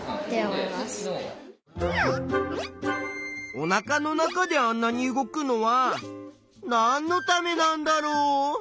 おなかの中であんなに動くのはなんのためなんだろう？